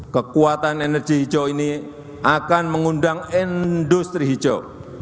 kekuatan energi hijau ini akan mengundang industri hijau